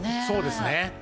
そうですね。